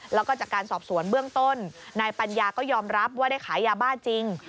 แล้วก็จากการสอบสวนเบื้องต้นนายปัญญาก็ยอมรับว่าได้ขายยาบ้าจริง